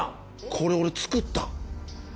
これ俺作った。